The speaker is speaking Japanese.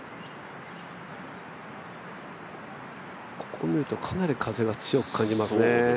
ここを見ると、かなり風が強く感じますね。